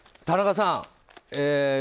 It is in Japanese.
田中さん